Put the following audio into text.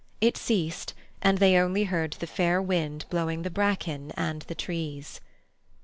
It ceased, and they only heard the fair wind blowing the bracken and the trees.